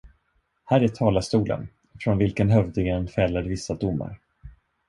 Här är talarstolen, från vilken hövdingen fäller visa domar.